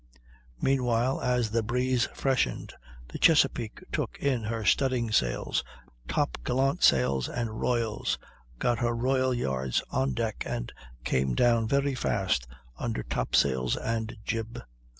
Meanwhile, as the breeze freshened the Chesapeake took in her studding sails, top gallant sails, and royals, got her royal yards on deck, and came down very fast under top sails and jib.